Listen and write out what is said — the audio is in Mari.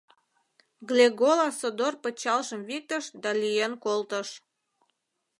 Глегола содор пычалжым виктыш да лӱен колтыш.